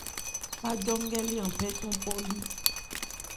Bhájɔ́ nkɛ́ lé an phɛ́ cɔn npɔ́ lí.